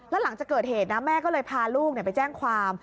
แล้วหลังจากเกิดเหตุนะแม่ก็เลยพาลูกไปแจ้งความ